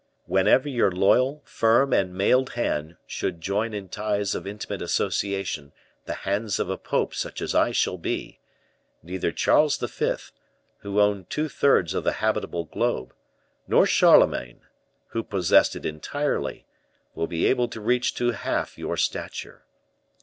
Whenever your loyal, firm, and mailed hand should joined in ties of intimate association the hand of a pope such as I shall be, neither Charles V., who owned two thirds of the habitable globe, nor Charlemagne, who possessed it entirely, will be able to reach to half your stature.